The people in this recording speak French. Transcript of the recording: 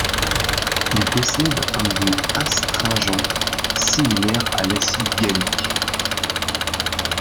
Il possède un goût astringent similaire à l'acide gallique.